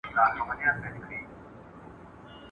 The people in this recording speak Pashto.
غلط خبرونه باور کموي